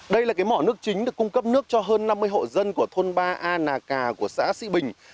đây là cái mỏ nước chính được cung cấp nước cho hơn năm mươi hộ dân của thôn ba a nà cà của xã sĩ bình